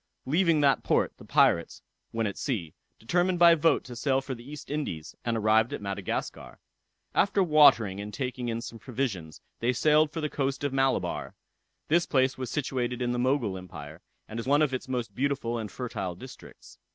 Leaving that port, the pirates, when at sea, determined by vote to sail for the East Indies, and arrived at Madagascar. After watering and taking in some provisions they sailed for the coast of Malabar. This place is situated in the Mogul Empire, and is one of its most beautiful and fertile districts.